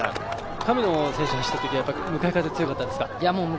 神野選手が走ったときは向かい風が強かったですか？